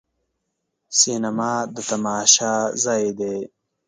سینما د تماشا ځای دی.